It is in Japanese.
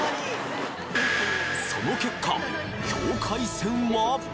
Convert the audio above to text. その結果境界線は？